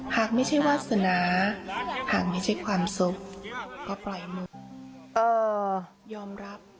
หากไม่ใช่วาสนาหากไม่ใช่ความสุขก็ปล่อยมือยอมรับ